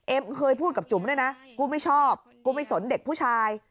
เคยพูดกับจุ๋มด้วยนะกูไม่ชอบกูไม่สนเด็กผู้ชาย